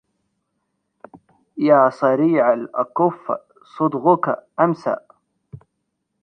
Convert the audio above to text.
يا صريع الأكف صدغك أمسى